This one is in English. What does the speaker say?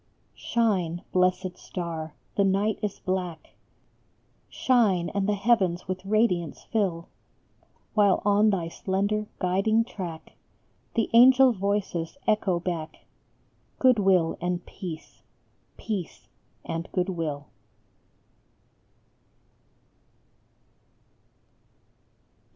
Shine, blessed star, the night is black, Shine, and the heavens with radiance fill, While on thy slender, guiding track The angel voices echo back, Good will and Peace : Peace and Good will.